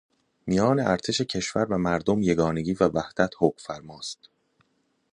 میان ارتش کشور و مردم یگانگی و وحدت حکم فرمااست.